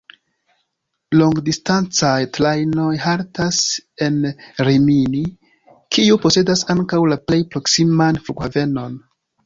Longdistancaj trajnoj haltas en Rimini, kiu posedas ankaŭ la plej proksiman flughavenon.